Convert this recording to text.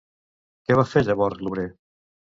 Què va fer llavors l'obrer?